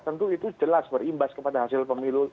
tentu itu jelas berimbas kepada hasil pemilu